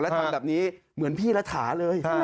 แล้วทำแบบนี้เหมือนพี่รัฐาเลย